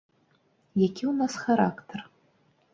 Які ў нас характар?